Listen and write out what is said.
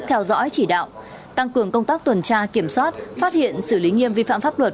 theo dõi chỉ đạo tăng cường công tác tuần tra kiểm soát phát hiện xử lý nghiêm vi phạm pháp luật